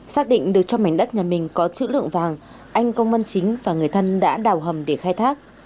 xác định được trong mảnh đất nhà mình có chữ lượng vàng anh công văn chính và người thân đã đào hầm để khai thác